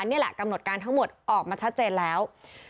นี่แหละกำหนดการทั้งหมดออกมาชัดเจนแล้ว